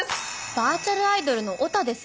バーチャルアイドルのオタですね。